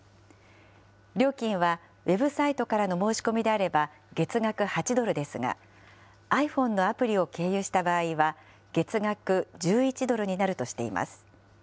料金はウェブサイトからの申し込みであれば月額８ドルですが、ｉＰｈｏｎｅのアプリを経由した場合は、月額１１ドルになるとしています。